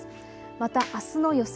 またあすの予想